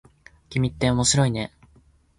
君って面白いね。